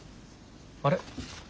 あれ？